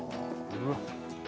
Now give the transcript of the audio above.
うわっ。